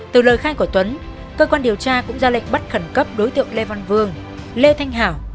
từ lời khai của tuấn cơ quan điều tra cũng ra lệnh bắt khẩn cấp đối tượng lê văn vương lê thanh hảo